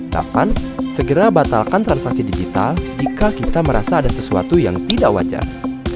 kapan segera batalkan transaksi digital jika kita merasa ada sesuatu yang tidak wajar